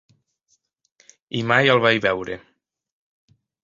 I mai el vaig veure!